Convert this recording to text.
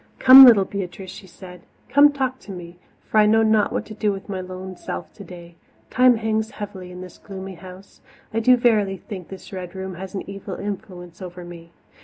"Come, little Beatrice," she said, "come talk to me, for I know not what to do with my lone self today. Time hangs heavily in this gloomy house. I do verily think this Red Room has an evil influence over me.